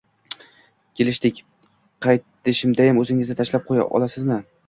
— Kelishdik. Qaytishdayam o’zingiz tashlab qo’ya olasizmi